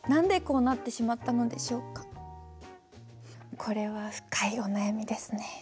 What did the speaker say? これは深いお悩みですね。